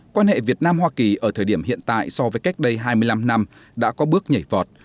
quan hệ việt nam hoa kỳ ở thời điểm hiện tại so với cách đây hai mươi năm năm đã có bước nhảy vọt